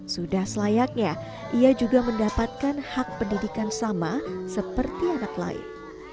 sudah selayaknya ia juga mendapatkan hak pendidikan sama seperti anak lain